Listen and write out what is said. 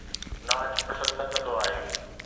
ناچ پسند نه ڪندو آهي